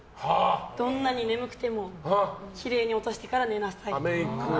どんなに眠くてもきれいに落としてから寝なさい。